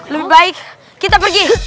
lebih baik kita pergi